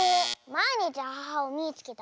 「まいにちアハハをみいつけた！」